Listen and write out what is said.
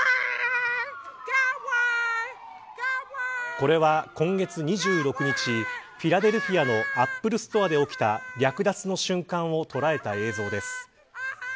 これは、今月２６日フィラデルフィアのアップルストアで起きた略奪の瞬間を捉えた映像です。